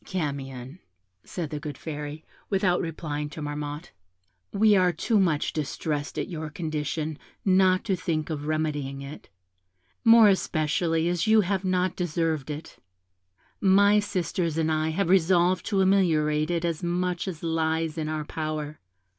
"'Camion,' said the good Fairy, without replying to Marmotte, 'we are too much distressed at your condition not to think of remedying it, more especially as you have not deserved it. My sisters and I have resolved to ameliorate it as much as lies in our power.